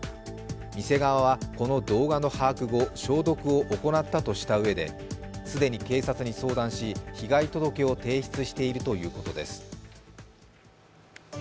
店側はこの動画の把握後、消毒を行ったということで既に警察に相談し、被害届を提出しているということです。